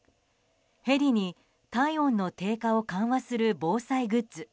ヘリに体温の低下を緩和する防災グッズ